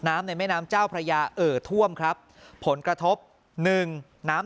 ในแม่น้ำเจ้าพระยาเอ่อท่วมครับผลกระทบหนึ่งน้ำ